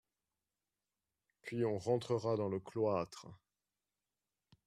Puis on rentrera dans le cloître.